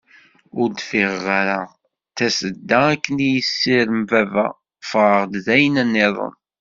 Ur d-ffiɣeɣ ara d tasedda akken i yessirem baba, ffɣeɣ-d d ayen-niḍen.